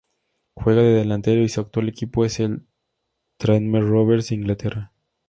Juega de delantero y su actual equipo es el Tranmere Rovers de Inglaterra.